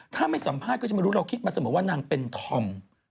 ถ้าไม่สัมภาษณ์ก็จะไม่รู้เราคิดมาเสมอว่านางเป็นธอม